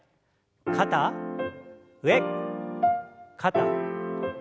肩上肩下。